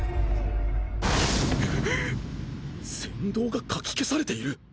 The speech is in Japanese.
煽動が掻き消されている！